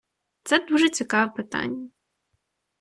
Це дуже цікаве питання.